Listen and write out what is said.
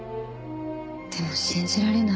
でも信じられない。